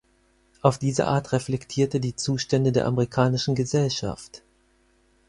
Auf diese Art reflektiert er die Zustände der amerikanischen Gesellschaft.